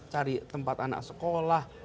cari tempat anak sekolah